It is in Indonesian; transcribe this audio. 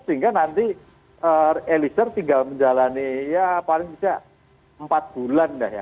sehingga nanti elisir tinggal menjalani ya paling bisa empat bulan